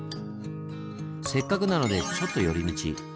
せっかくなのでちょっと寄り道。